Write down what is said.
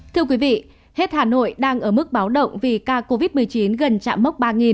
thưa quý vị hết hà nội đang ở mức báo động vì ca covid một mươi chín gần chạm mốc ba